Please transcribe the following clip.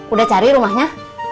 udah cari rumahnya